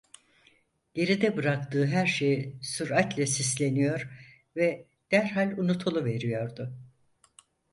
Geride bıraktığı her şey süratle sisleniyor ve derhal unutuluveriyordu.